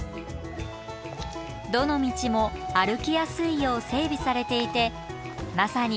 どの道も歩きやすいよう整備されていてまさに至れり尽くせり。